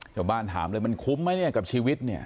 ถามเลยมันคุ้มไหมเนี่ยกับชีวิตเนี่ย